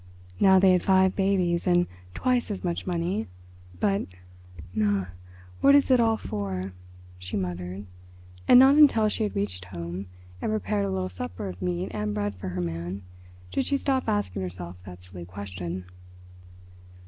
Now they had five babies and twice as much money; but— "Na, what is it all for?" she muttered, and not until she had reached home, and prepared a little supper of meat and bread for her man did she stop asking herself that silly question.